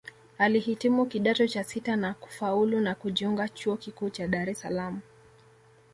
Alihitimu Kidato cha sita na kufaulu na kujiunga Chuo kikuu cha Dar es salaam